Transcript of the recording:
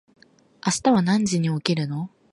明日は何時に起きるの？